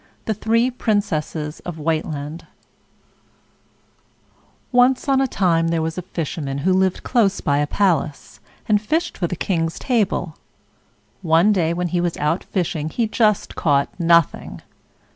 THE THREE PRINCESSES OF WHITELAND Once on a time there was a fisherman who lived close by a palace, and fished for the King's table. One day when he was out fishing he just caught nothing.